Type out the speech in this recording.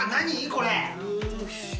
これ。